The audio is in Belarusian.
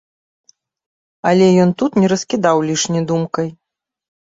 Але ён тут не раскідаў лішне думкай.